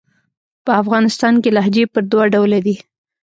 په افغانستان کښي لهجې پر دوه ډوله دي.